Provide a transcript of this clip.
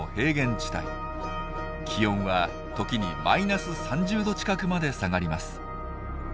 気温は時にマイナス３０℃近くまで下がります。